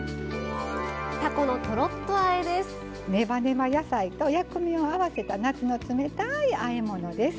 ねばねば野菜と薬味を合わせた夏の冷たいあえ物です。